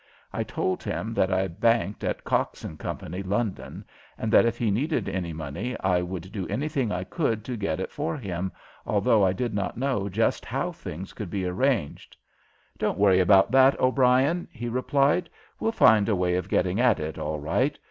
I told him that I banked at Cox & Co., London, and that if he needed any money I would do anything I could to get it for him, although I did not know just how such things could be arranged. "Don't worry about that, O'Brien," he replied. "We'll find a way of getting at it, all right.